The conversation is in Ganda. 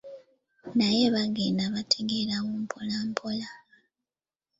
Naye baagenda bategeerawo mpolampola.